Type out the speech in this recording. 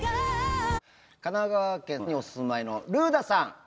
神奈川県にお住まいのルーダさん。